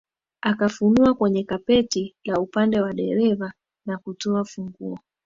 Akafunua kwenye kapeti la upande wa dereva na kutoa funguo